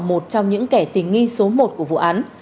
một trong những kẻ tình nghi số một của vụ án